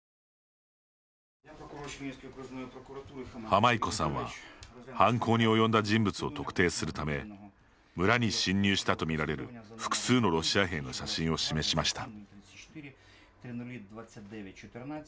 ハマイコさんは犯行に及んだ人物を特定するため村に侵入したと見られる複数のロシア兵の写真を示しました。